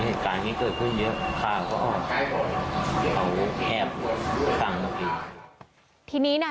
เหตุการณ์ที่เกิดขึ้นเยอะค่ะเขาแคบสั่งเมื่อกี้ทีนี้น่ะ